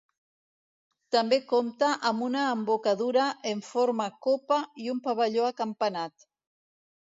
També compta amb una embocadura en forma copa i un pavelló acampanat.